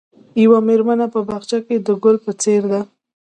یوه مېرمنه په باغچه کې د ګل په څېر ده.